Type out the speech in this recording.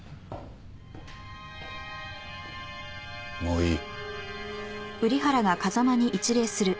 もういい。